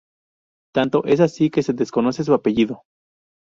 Tanto es así que se desconoce su apellido.